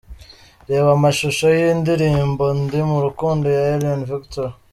Reba amashusho y’Indirimbo “Ndi Mu Rukundo ya Elion Victory”:.